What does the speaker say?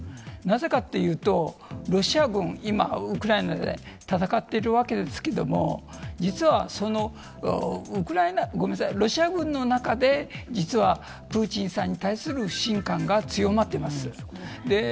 なぜかというと、ロシア軍、今ウクライナで戦っているわけですが、ロシア軍の中で実はプーチンさんに対する不信感が強まっています。